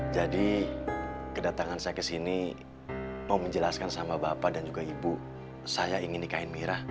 jadi kedatangan saya ke sini mau menjelaskan sama bapak dan juga ibu saya ingin nikahin mira